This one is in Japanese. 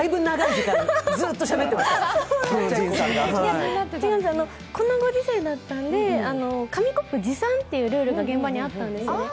違うんです、このご時世だったので、紙コップ持参というルールが現場にあったんですよね。